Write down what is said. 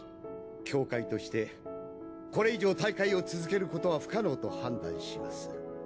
協会としてこれ以上大会を続けることは不可能と判断します。